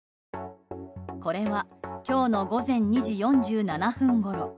これは今日の午前２時４７分ごろ。